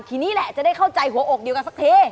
ทีนี้แหละจะได้เข้าใจหัวอกเดียวกันสักที